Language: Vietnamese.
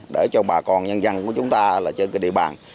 để cho bà con nhân dân của chúng ta là trên địa bàn